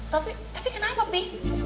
tapi tapi kenapa pi